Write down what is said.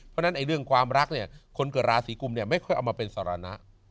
เพราะฉะนั้นเรื่องความรักเนี่ยคนเกิดราศีกุมเนี่ยไม่ค่อยเอามาเป็นสารณะ